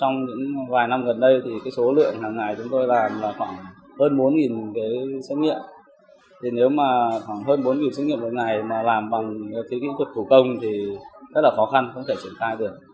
nó rất là khó khăn không thể triển khai được